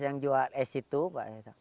yang jual es itu pak